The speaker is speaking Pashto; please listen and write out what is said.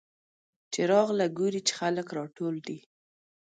چې راغله ګوري چې خلک راټول دي.